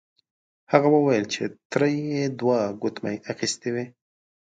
هغې وویل چې تره یې دوه ګوتمۍ اخیستې وې.